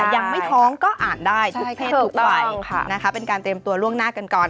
ยังไม่ท้องก็อ่านได้ทุกเพศทุกวัยเป็นการเตรียมตัวล่วงหน้ากันก่อน